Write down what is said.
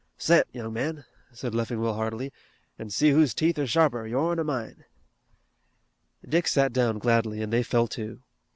"Set, young man," said Leffingwell heartily, "an' see who's teeth are sharper, yourn or mine." Dick sat down gladly, and they fell to.